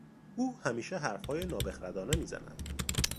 او همیشه حرفهای نابخردانه می زند.